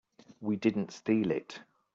We didn't steal it.